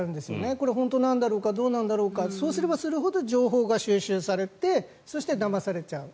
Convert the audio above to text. これ、本当なんだろうかどうなんだろうかそうすればするほど情報が収集されてそして、だまされちゃう。